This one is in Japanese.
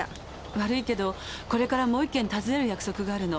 悪いけどこれからもう１軒訪ねる約束があるの。